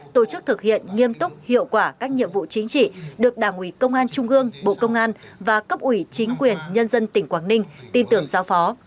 tổ chức thực hiện nghiêm túc hiệu quả các nhiệm vụ chính trị được đảng ủy công an trung gương bộ công an và cấp ủy chính quyền nhân dân tỉnh quảng ninh tin tưởng giao phó